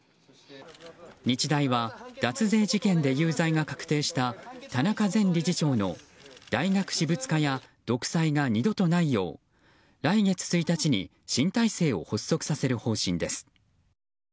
日大は脱税事件で有罪が確定した田中前理事長の大学私物化や独裁が二度とないよう来月１日に新体制を発足させる方針です。